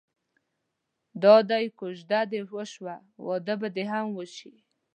دادی کوژده دې وشوه واده به دې هم وشي.